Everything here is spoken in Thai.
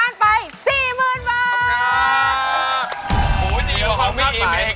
ดีมากพ่อพ่อไม่อีมไกล